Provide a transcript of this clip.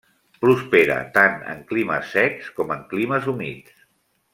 Prospera tant en climes secs com en climes humits.